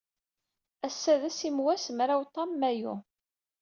Ass-a d asimwas, mraw tam Mayu.